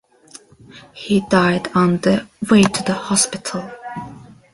He died on the way to the hospital.